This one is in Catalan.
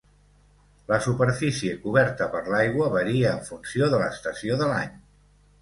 La superfície coberta per l'aigua varia en funció de l'estació de l'any.